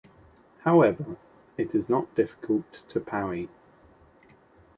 However, it is not difficult to parry.